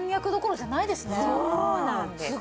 そうなんです。